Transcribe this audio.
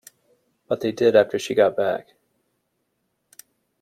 But they did after she got back.